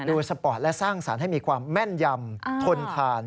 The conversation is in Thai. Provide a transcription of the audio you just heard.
สปอร์ตและสร้างสรรค์ให้มีความแม่นยำทนทาน